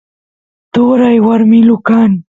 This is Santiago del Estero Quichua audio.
turay warmilu kan